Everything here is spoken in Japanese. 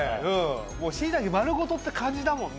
もうしいたけ丸ごとって感じだもんね